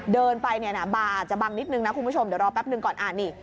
เดินไปเนี่ยนะบาร์อาจจะบังนิดนึงนะคุณผู้ชมเดี๋ยวรอแป๊บหนึ่งก่อนอ่านนี่